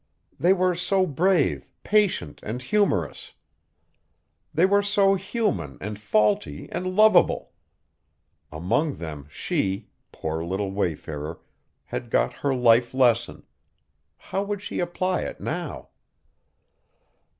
They were so brave, patient, and humorous. They were so human and faulty and lovable. Among them she, poor little wayfarer, had got her life lesson how would she apply it now?